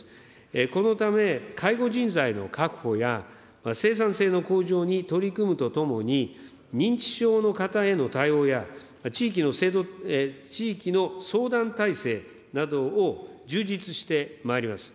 このため、介護人材の確保や生産性の向上に取り組むとともに、認知症の方への対応や、地域の相談体制などを充実してまいります。